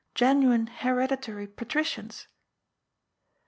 "Genuine hereditary Patri cians